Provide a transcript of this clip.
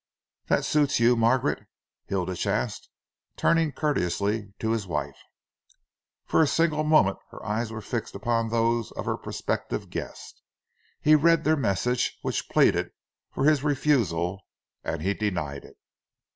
"That suits you, Margaret?" Hilditch asked, turning courteously to his wife. For a single moment her eyes were fixed upon those of her prospective guest. He read their message which pleaded for his refusal, and he denied it.